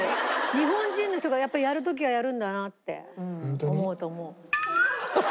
日本中の人が「やっぱりやる時はやるんだな」って思うと思う。